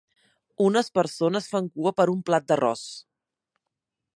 Unes persones fan cua per un plat d'arròs